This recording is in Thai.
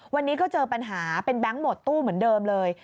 วันนี้ก็เจอปัญหาเป็นแบงค์หมดตู้เหมือนเดิมเลย